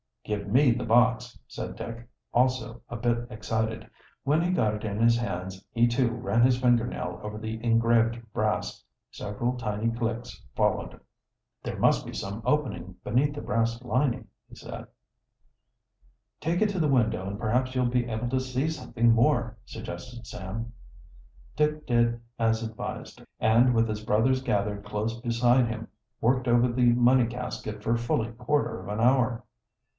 "Give me the box," said Dick, also a bit excited. When he got it in his hands he, too, ran his finger nail over the engraved brass. Several tiny clicks followed. "There must be some opening beneath the brass lining," he said. "Take it to the window, and perhaps you'll be able to see something more," suggested Sam. Dick did as advised, and, with his brothers gathered close beside him, worked over the money casket for fully quarter of an hour.